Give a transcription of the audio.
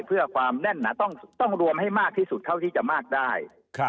เพื่อความแน่นหนาต้องรวมให้มากที่สุดเท่าที่จะมากได้